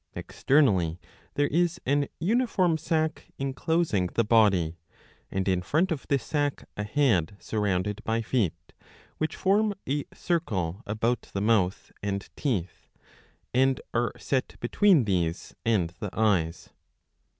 ^ Externally there is an uniform sac inclosing the body ; and in front of this sac a head surrounded by feet, which form a circle about the mouth and teeth, and are set between these and the eyes.